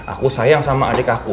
aku sayang sama adik aku